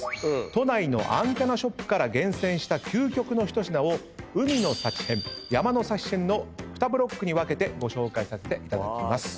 都内のアンテナショップから厳選した究極の一品を海の幸編山の幸編の２ブロックに分けてご紹介させていただきます。